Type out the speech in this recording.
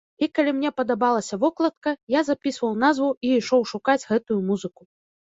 І калі мне падабалася вокладка, я запісваў назву і ішоў шукаць гэтую музыку.